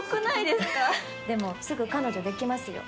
でもすぐ彼女できますよ。